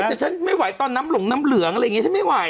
แต่ฉันไม่ไหวตอนน้ำหลงน้ำเหลืองอะไรอย่างนี้ฉันไม่ไหว